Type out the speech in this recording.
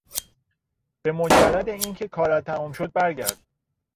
به مجرد اینکه کارت تمام شد برگرد.